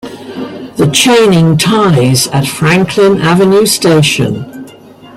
The chaining "ties" at Franklin Avenue station.